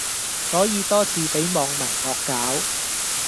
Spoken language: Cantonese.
所以多次俾網民惡搞